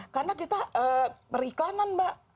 karena kita periklanan mbak